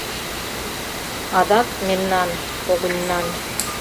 Адак... мемнан, когыньнан